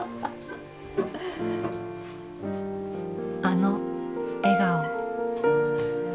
あの笑顔。